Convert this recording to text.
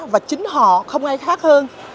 và chính họ không ai khác hơn